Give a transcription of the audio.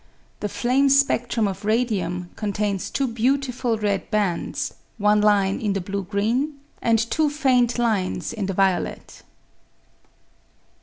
The flame spedrum of radium contains two beautiful red bands, one line in the blue green, and two faint lines in the violet.